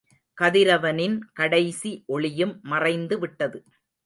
கதிரவனின் கடைசி ஒளியும் மறைந்து விட்டது.